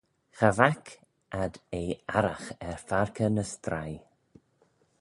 Cha vaik ad eh arragh er faarkey ny straih.